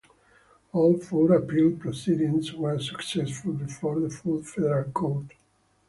All four appeal proceedings were successful before the Full Federal Court.